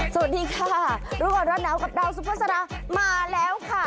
สวัสดีค่ะรวรรณาวกับดาวซุภาษณามาแล้วค่ะ